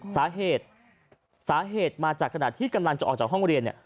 สาเหตุมาจากขณะที่กำลังจะออกจากห้องเรียน